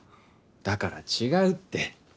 だから違うって。